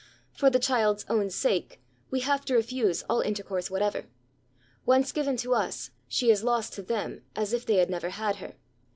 For the child's own sake we have to refuse all intercourse whatever. Once given to us, she is lost to them as if they had never had her.